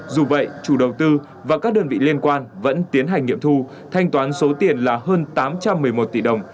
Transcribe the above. dù vậy chủ đầu tư và các đơn vị liên quan vẫn tiến hành nghiệm thu thanh toán số tiền là hơn tám trăm một mươi một tỷ đồng